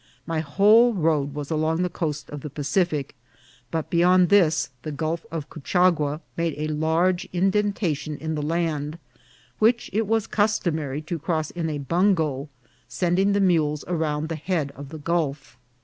My whole road was along the coast of the Pacific, but beyond this the Gulf of Couchagua made a large indentation in the ACOTTONFACTORY. 29 land, which it was customary to cross in a bungo, send ing the mules around the head of the gulf.